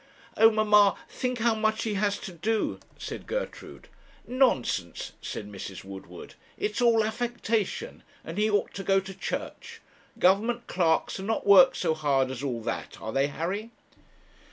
'Oh! mamma, think how much he has to do,' said Gertrude. 'Nonsense,' said Mrs. Woodward; 'it's all affectation, and he ought to go to church. Government clerks are not worked so hard as all that; are they, Harry?'